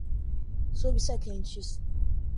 subsequentes